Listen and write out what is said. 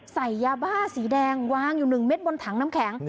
ใส่ยาบ้าสีแดงวางอยู่๑เม็ดบนถังน้ำแข็ง